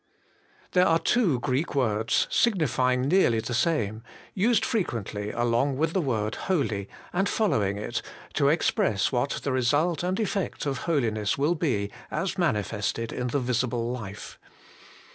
THERE are two Greek words, signifying nearly the same, used frequently along with the word holy, and following it, to express what the result and effect of holiness will be as manifested in the visible life.